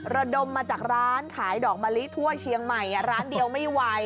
ระดมมาจากร้านขายดอกมะลิทั่วเชียงใหม่ร้านเดียวไม่ไหว